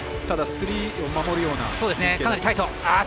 ただ、スリーを守るような。